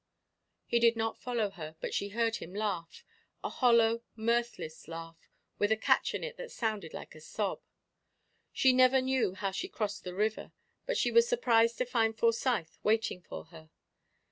He did not follow her, but she heard him laugh a hollow, mirthless laugh, with a catch in it that sounded like a sob. She never knew how she crossed the river, but she was surprised to find Forsyth waiting for her.